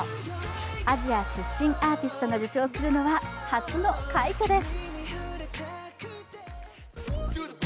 アジア出身アーティストが受賞するのは初の快挙です。